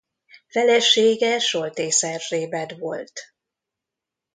Felesége Soltész Erzsébet volt.